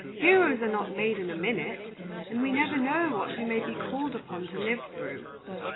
Heroes are not made in a minute, and we never know what we may be called upon to live through.